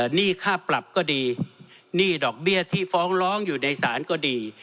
หนี้ค่าปรับก็ดีหนี้ดอกเบี้ยที่ฟ้องร้องอยู่ในศาลก็ดี